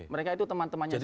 mereka itu teman temannya siono